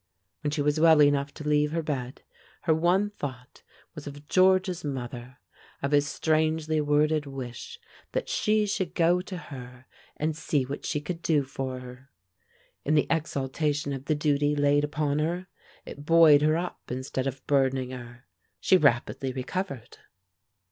When she was well enough to leave her bed, her one thought was of George's mother, of his strangely worded wish that she should go to her and see what she could do for her. In the exaltation of the duty laid upon her it buoyed her up instead of burdening her she rapidly recovered.